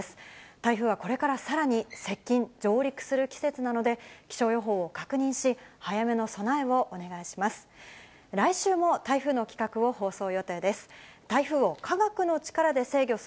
台風はこれからさらに接近、上陸する季節なので、気象予報を確認し、早めの備えをお願いします。